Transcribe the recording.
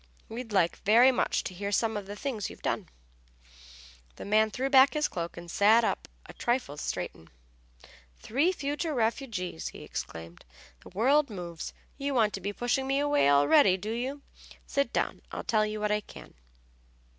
We'd like very much to hear some of the things you've done." The man threw back his cloak and sat up a trifle straighten "Three future refugees!" he exclaimed. "The world moves! You want to be pushing me away already, do you? Sit down, I'll tell you what I can."